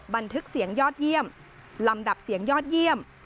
บันทึกเสียงยอดเยี่ยมลำดับเสียงยอดเยี่ยม